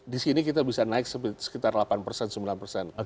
di sini kita bisa naik sekitar delapan persen sembilan persen